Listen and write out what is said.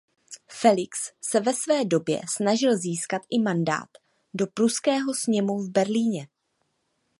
Felix se ve stejné době snažil získat i mandát do pruského sněmu v Berlíně.